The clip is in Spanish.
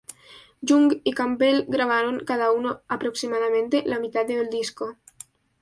Young y Campbell grabaron cada uno aproximadamente la mitad del disco.